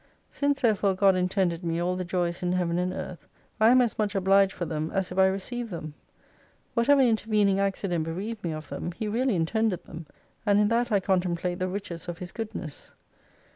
Since therefore God intended me all the joys in Heaven and Earth, I am as much obliged for them as if I received them. Whatever intervening accident bereaved me of them. He really intended them. And in that I contemplate the riches of His goodness.